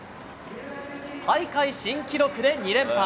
大会新記録で２連覇。